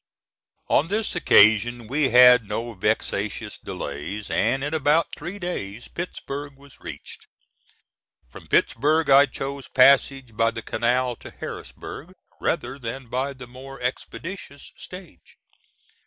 On this occasion we had no vexatious delays, and in about three days Pittsburg was reached. From Pittsburg I chose passage by the canal to Harrisburg, rather than by the more expeditious stage.